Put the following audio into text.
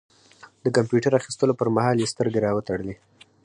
د کمپيوټر اخيستلو پر مهال يې سترګې را وتړلې.